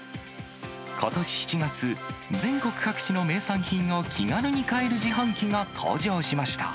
ことし７月、全国各地の名産品を気軽に買える自販機が登場しました。